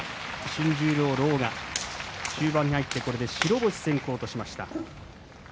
新十両の狼雅終盤に入って白星先行としました。